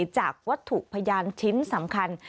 จากวัตถุพยานชิ้นสำคัญ